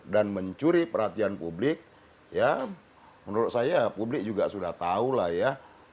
dan mencuri perhatian publik menurut saya publik juga sudah tahu lah ya